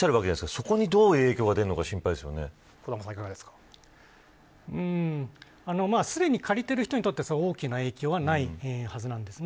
そこにどのような影響が出るかすでに借りている人にとっては大きな影響はないはずなんですね。